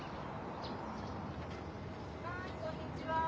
はいこんにちは。